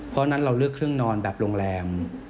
เพราะฉะนั้นเราเลือกเครื่องนอนแบบโรงแรม